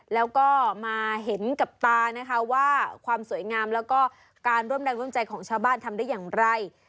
แล้วก็มาเห็นกับตานะคะว่าความสวยงามแล้วก็การร่วมแรงร่วมใจของชาวบ้านทำได้อย่างไร